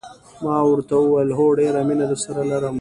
ما ورته وویل: هو، ډېره مینه درسره لرم.